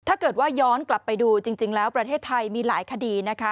ถ้าเกิดว่าย้อนกลับไปดูจริงแล้วประเทศไทยมีหลายคดีนะคะ